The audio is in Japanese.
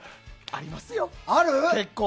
ありますよ、結構。